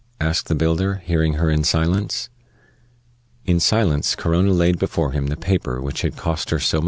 asked the builder, hearing her in silence. In silence Corona laid before him the paper which had cost her so much toil.